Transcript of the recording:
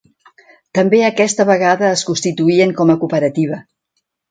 També aquesta vegada es constituïen com a cooperativa.